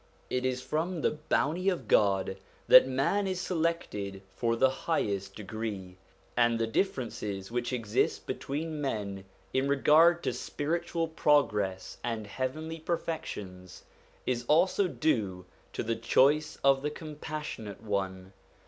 It is from the bounty of God that man is selected for the highest degree; and the differences which exist between men in regard to spiritual progress and heavenly perfections, is also due to the choice of the Compassionate One.